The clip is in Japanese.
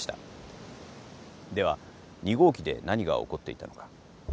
では２号機で何が起こっていたのか。